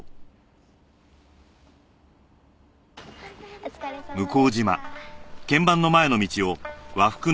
お疲れさまでした。